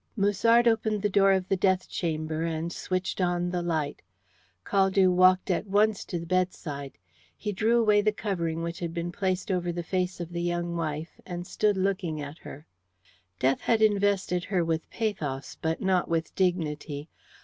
Musard opened the door of the death chamber and switched on the light. Caldew walked at once to the bedside. He drew away the covering which had been placed over the face of the young wife, and stood looking at her. Death had invested her with pathos, but not with dignity.